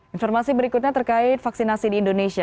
informasi berikutnya terkait vaksinasi di indonesia